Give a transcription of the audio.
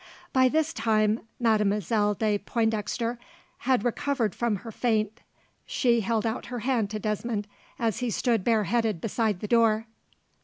By this time, Mademoiselle de Pointdexter had recovered from her faint. She held out her hand to Desmond, as he stood bareheaded beside the door.